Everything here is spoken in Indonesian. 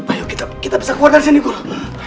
ayo kita bisa keluar dari sini gue